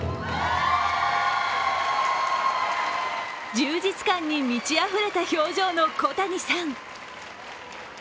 充実感に満ちあふれた表情の小谷さん。